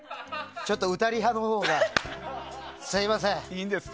ちょっと歌リハのほうが。すみません。